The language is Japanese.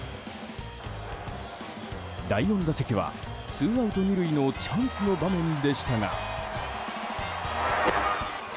第４打席は、ツーアウト２塁のチャンスの場面でしたが。